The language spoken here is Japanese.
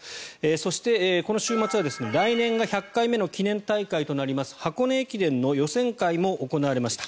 そして、この週末は来年が１００回目の記念大会となります箱根駅伝の予選会も行われました。